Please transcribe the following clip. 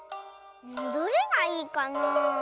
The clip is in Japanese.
どれがいいかな？